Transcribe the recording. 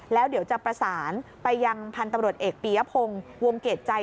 แล้วเดี๋ยวจะประสานไปยังพันธุ์ตำรวจเอกปียพงศ์วงเกรดใจ